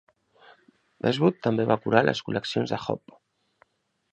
Westwood també va curar les col·leccions de Hope.